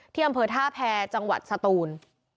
อำเภอท่าแพรจังหวัดสตูน